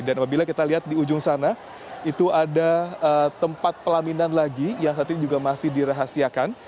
dan apabila kita lihat di ujung sana itu ada tempat pelaminan lagi yang saat ini juga masih dirahasiakan